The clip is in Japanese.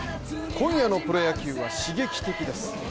今夜のプロ野球は刺激的です。